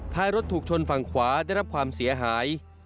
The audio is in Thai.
ท้ายรถถูกชนฝั่งขวาได้รับความเสียหาย